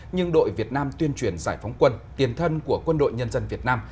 nhưng đội việt nam tuyên truyền giải phóng quân tiền thân của quân đội nhân dân việt nam